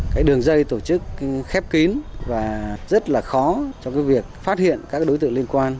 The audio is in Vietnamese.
cái đường dây tổ chức khép kín và rất là khó cho cái việc phát hiện các đối tượng liên quan